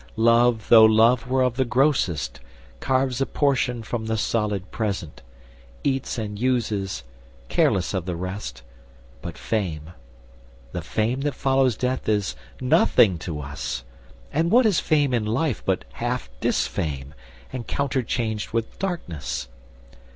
Love, though Love were of the grossest, carves A portion from the solid present, eats And uses, careless of the rest; but Fame, The Fame that follows death is nothing to us; And what is Fame in life but half disfame, And counterchanged with darkness?